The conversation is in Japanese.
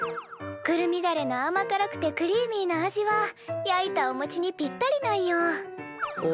くるみだれの甘辛くてクリーミーな味は焼いたおもちにぴったりなんよ。